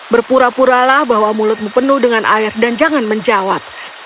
berpura puralah bahwa mulutmu penuh dengan air dan jangan menjawab